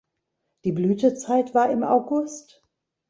Die Blütezeit war im August.